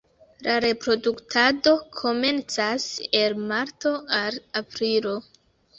La reproduktado komencas el marto al aprilo.